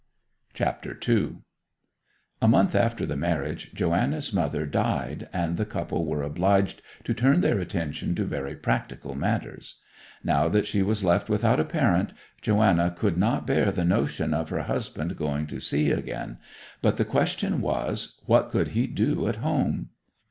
CHAPTER II A month after the marriage Joanna's mother died, and the couple were obliged to turn their attention to very practical matters. Now that she was left without a parent, Joanna could not bear the notion of her husband going to sea again, but the question was, What could he do at home?